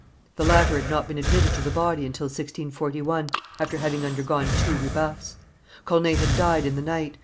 The latter had not been admitted to the body until 1641, after having undergone two rebuffs. Corneille had died in the night.